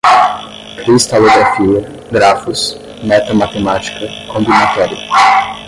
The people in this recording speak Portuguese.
cristalografia, grafos, metamatemática, combinatória